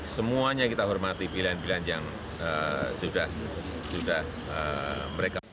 semuanya kita hormati pilihan pilihan yang sudah mereka lakukan